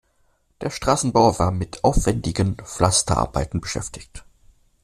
Der Straßenbauer war mit aufwendigen Pflasterarbeiten beschäftigt.